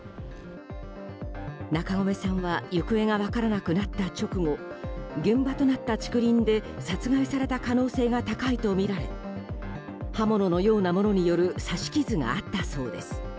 中込さんは行方が分からなくなった直後現場となった竹林で殺害された可能性が高いとみられ刃物のようなものによる刺し傷があったそうです。